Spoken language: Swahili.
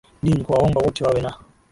di ni kuwaomba wote wawe na